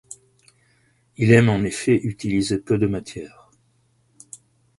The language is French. Il aime en effet utiliser peu de matière.